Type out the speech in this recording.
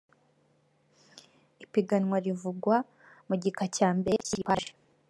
ipiganwa rivugwa mu gika cya mbere cy iyi paji